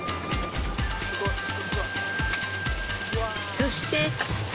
そして。